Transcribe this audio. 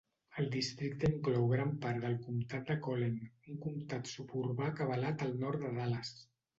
El districte inclou gran part del comtat de Collin, un comtat suburbà acabalat al nord de Dallas.